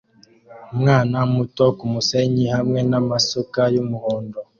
umwana muto kumusenyi hamwe namasuka yumuhondo